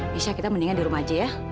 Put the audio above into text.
bisa kita mendingan di rumah aja ya